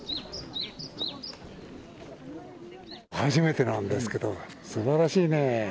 初めてなんですけどすばらしいね。